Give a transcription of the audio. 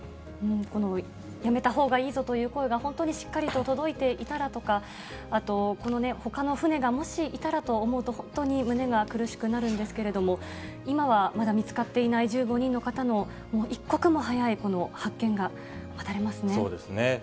このやめたほうがいいぞという声が、本当にしっかりと届いていたらとか、あと、このほかの船がもしいたらと思うと、本当に胸が苦しくなるんですけれども、今はまだ見つかっていない１５人の方の一刻も早い発見が待たれまそうですね。